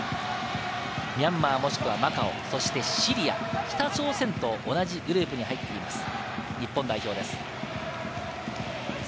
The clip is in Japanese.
ミャンマー、もしくは、マカオ、シリア、北朝鮮と同じグループに入っています、日本代表です。